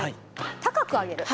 高く上げる？